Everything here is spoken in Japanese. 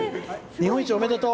日本一、おめでとう！